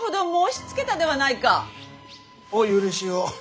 お許しを！